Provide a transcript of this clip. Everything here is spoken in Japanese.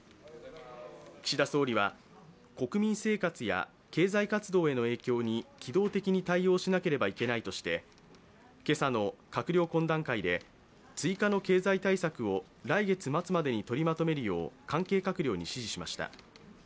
岸田総理は、国民生活や経済活動への影響に機動的に対応しなければいけないとして今朝の閣僚懇談会で追加の経済対策を来月末までにとりまとめるよう関係閣僚に指示しました。